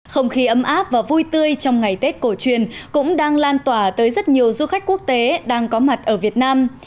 không khí ấm áp và vui tươi trong ngày tết cổ truyền cũng đang lan tỏa tới rất nhiều du khách quốc tế đang có mặt ở việt nam